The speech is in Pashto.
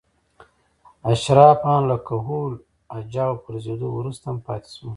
اشراف ان له کهول اجاو پرځېدو وروسته هم پاتې شول.